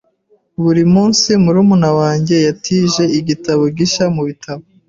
Buri munsi, murumuna wanjye yatije igitabo gishya mubitabo.